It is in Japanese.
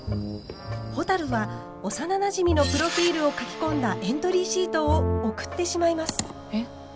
ほたるは幼なじみのプロフィールを書き込んだエントリーシートを送ってしまいます。